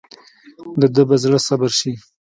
دده به زړه صبر شي.